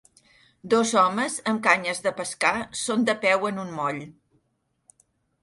Dos homes amb canyes de pescar són de peu en un moll